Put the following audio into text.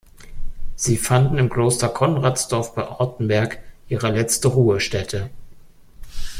Sie fanden im Kloster Konradsdorf bei Ortenberg ihre letzte Ruhestätte.